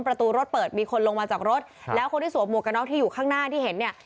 ประตูรถเปิดมีคนลงมาจากรถแล้วคนที่สวมหวกกระน็อกที่อยู่ข้างหน้าที่เห็นเนี่ย